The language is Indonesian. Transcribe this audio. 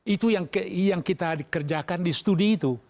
itu yang kita kerjakan di studi itu